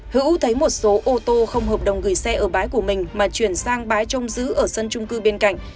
hữu thấy một số ô tô không hợp đồng gửi xe ở bãi của mình mà chuyển sang bãi trông giữ ở sân trung cư bên cạnh